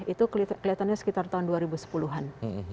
itu kelihatannya sekitar tahun dua ribu sepuluh an